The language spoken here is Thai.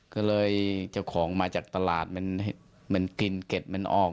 ก็เลยเจ้าของมาจากตลาดมันกินเก็ดมันออก